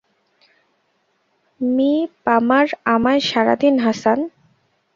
Me Palmer আমায় সারাদিন হাসান।